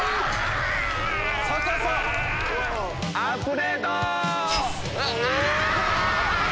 アップデート！